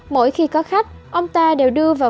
mỗi khi có khách ông ta đều đưa vào